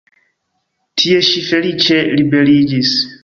Tie ŝi feliĉe liberiĝis.